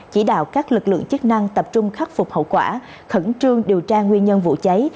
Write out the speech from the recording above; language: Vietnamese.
chỉ đạo các lực lượng chức năng tập trung khắc phục hậu quả khẩn trương điều tra nguyên nhân vụ cháy